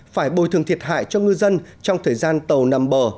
phải bồi thường thiệt hại cho ngư dân trong thời gian tàu nằm bờ